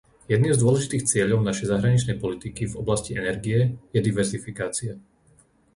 Jedným z dôležitých cieľov našej zahraničnej politiky v oblasti energie je diverzifikácia.